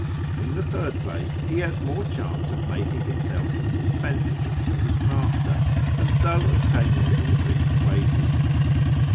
In the third place he has more chance of making himself indispensable to his master, and so obtaining increased wages.